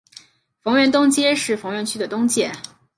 逢源东街是逢源区的东界。